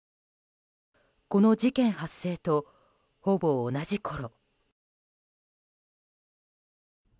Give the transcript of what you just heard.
この事件発生とほぼ同じころ。